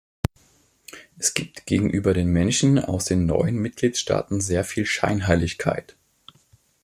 Es gibt gegenüber den Menschen aus den neuen Mitgliedstaaten sehr viel Scheinheiligkeit.